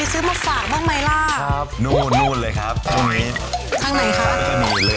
เฮ้ยไม่อยากกินละใครเจียวใจดีซื้อมาฝากบ้างหมายล่ะ